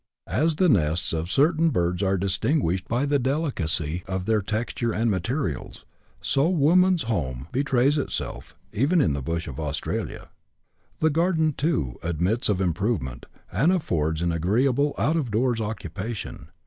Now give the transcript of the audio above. As the nests of certain birds are distinguished by the delicacy of their texture and materials, so woman's home betrays itself, even in the bush of Australia. The garden, too, admits of improvement, and affords an agreeable out of doors occupation.